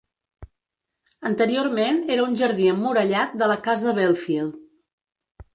Anteriorment era un jardí emmurallat de la Casa Belfield.